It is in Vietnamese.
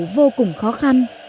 vô cùng khó khăn